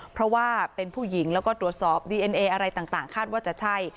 เพราะว่าเป็นผู้หญิงแล้วก็ตรวจสอบดีเอ็นเออะไรต่างคาดว่าจะใช่